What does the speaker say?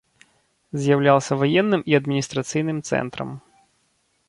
З'яўляўся ваенным і адміністрацыйным цэнтрам.